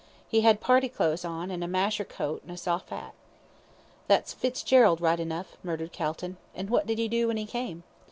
He 'ad party clothes on, an' a masher coat, an' a soft 'at." "That's Fitzgerald right enough," muttered Calton. "And what did he do when he came?"